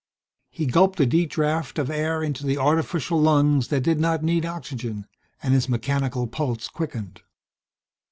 He gulped a deep draught of air into the artificial lungs that did not need oxygen and his mechanical pulse quickened.